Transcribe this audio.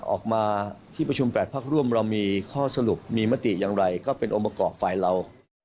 ออกมาที่ประชุม๘พักร่วมเรามีข้อสรุปมีมติอย่างไรก็เป็นองค์ประกอบฝ่ายเรา